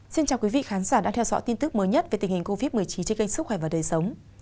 chào các quý vị khán giả đã theo dõi tin tức mới nhất về tình hình covid một mươi chín trên kênh sức khỏe và đời sống